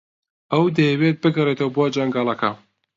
ئەو دەیەوێت بگەڕێتەوە بۆ جەنگەڵەکە.